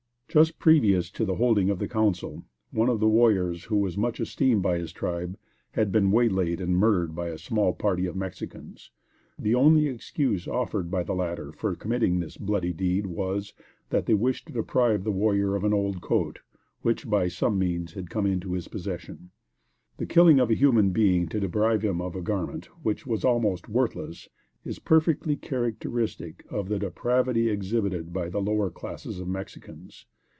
Just previous to the holding of this council, one of the warriors who was much esteemed by his tribe, had been waylaid and murdered by a small party of Mexicans. The only excuse offered by the latter for committing this bloody deed was, that they wished to deprive the warrior of an old coat, which, by some means, had come into his possession. The killing of a human being to deprive him of a garment which was almost worthless, is perfectly characteristic of the depravity exhibited by the lower classes of Mexicans.